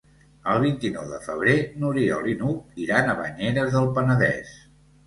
El vint-i-nou de febrer n'Oriol i n'Hug iran a Banyeres del Penedès.